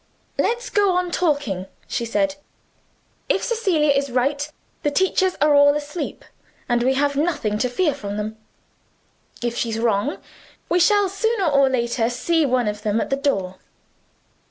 "Let's go on talking," she said. "If Cecilia is right, the teachers are all asleep, and we have nothing to fear from them. If she's wrong, we shall sooner or later see one of them at the door.